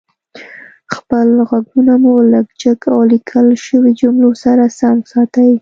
خپل غږونه مو لږ جګ او ليکل شويو جملو سره سم ساتئ